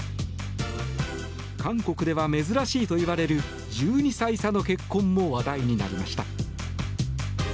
韓国では珍しいといわれる１２歳差の結婚も話題になりました。